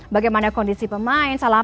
bagaimana kondisi pemain salah